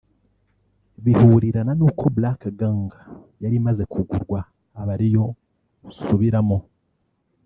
bihurirana n’uko Black Gang yari imaze kugurwa aba ariyo nsubiramo